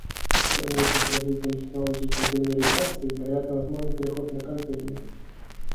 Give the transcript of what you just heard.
В дальнейшем, с развитием технологии контейнеризации, вероятно, возможен переход на контейнеры